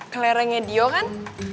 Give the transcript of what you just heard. klerengnya dio kan